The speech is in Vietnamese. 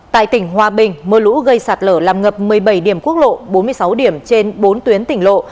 tại tỉnh hòa bình mưa lũ gây sạt lở làm ngập một mươi bảy điểm quốc lộ bốn mươi sáu điểm trên bốn tuyến tỉnh lộ